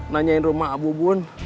nanyain rumah abu bun